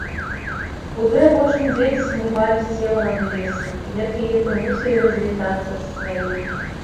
У той апошні дзень смуга вісела над лесам, як яе прымусілі развітацца з сваімі.